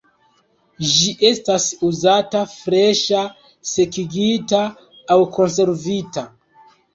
Ĝi estas uzata freŝa, sekigita aŭ konservita.